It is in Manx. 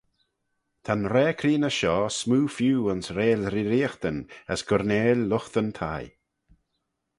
Ta'n raa creeney shoh smoo feeu ayns reill reeriaghtyn as gurneil lughtyn-thie.